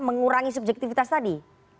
mengurangi subjektivitas tadi